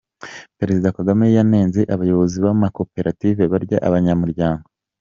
Perezida Kagame yanenze abayobozi b’amakoperative barya abanyamuryango.